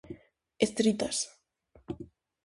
Estritas.